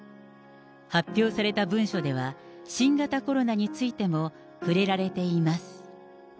発表された文書では、新型コロナについても触れられています。